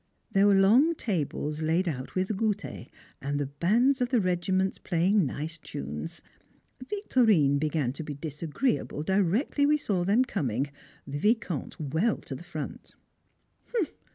There were long tables laid out with goûter, and the bands of the regiments playing nice tunes. Victorine began to be disagreeable directly we saw them coming, the Vicomte well to the front.